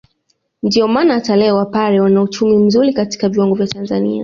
Ndio maana hata leo wapare wana uchumi mzuri katika viwango vya Tanzania